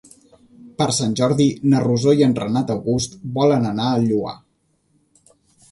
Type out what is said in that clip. Per Sant Jordi na Rosó i en Renat August volen anar al Lloar.